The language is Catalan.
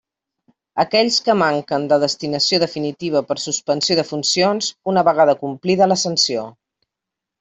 Aquells que manquen de destinació definitiva per suspensió de funcions, una vegada complida la sanció.